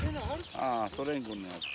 ああソ連軍のやつ。